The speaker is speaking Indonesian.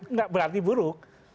nggak berarti buruk